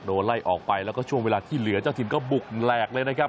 ไล่ออกไปแล้วก็ช่วงเวลาที่เหลือเจ้าถิ่นก็บุกแหลกเลยนะครับ